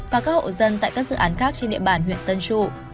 và các hộ dân tại các dự án khác trên địa bàn huyện tân trụ